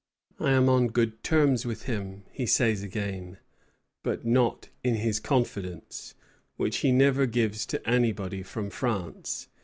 "I am on good terms with him," he says again; "but not in his confidence, which he never gives to anybody from France.